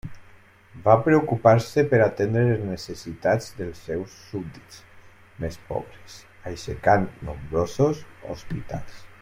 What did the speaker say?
Va preocupar-se per atendre les necessitats dels seus súbdits més pobres, aixecant nombrosos hospitals.